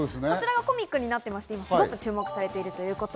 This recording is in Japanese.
こちらがコミックになっていまして注目されています。